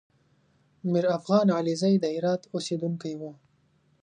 میرافغان علیزی د هرات اوسېدونکی و